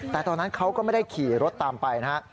แต่ตอนนั้นเขาก็ไม่ได้ขี่รถตามไปนะฮะ